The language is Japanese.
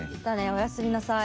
おやすみなさい。